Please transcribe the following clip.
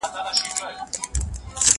کېدای سي مينه پټه وي؟!